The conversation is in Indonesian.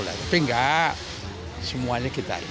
tapi enggak semuanya kita